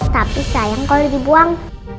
tapi sayang kalau dibuang